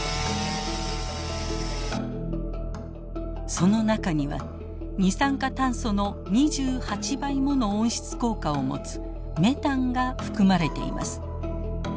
その中には二酸化炭素の２８倍もの温室効果を持つメタンが含まれています。